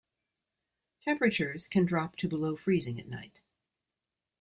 Temperatures can drop to below freezing at night.